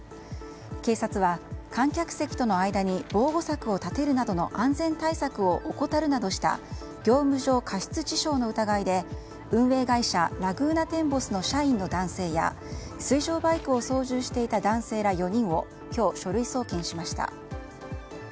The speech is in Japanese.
警察は観客席との間に防護柵を立てるなどの安全対策を怠るなどした業務上過失致傷の疑いで運営会社、ラグーナテンボスの社員の男性や水上バイクを操縦していた男性ら４人を今日、書類送検しました。